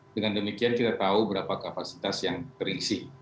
dengan demikian kita tahu berapa kapasitas yang terisi